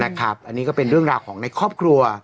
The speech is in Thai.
อันนี้ก็เป็นเรื่องราวของในครอบครัว